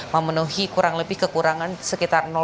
memenuhi kurang lebih kekurangan sekitar lima miliar